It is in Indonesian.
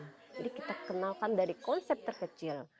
jadi kita kenalkan dari konsep terkecil